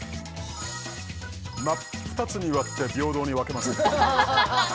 真っ二つに割って平等に分けますね